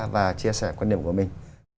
và chia sẻ quan điểm của mình